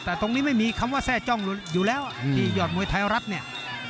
แต่ตรงนี้ไม่มีคำว่าแทร่จ้องอยู่แล้วที่ยอดมวยไทยรัฐเนี่ย